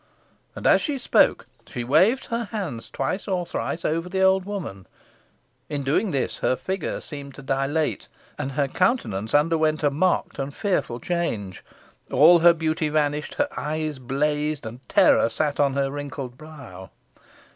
And as she spoke she waved her hands twice or thrice over the old woman. In doing this her figure seemed to dilate, and her countenance underwent a marked and fearful change. All her beauty vanished, her eyes blazed, and terror sat on her wrinkled brow.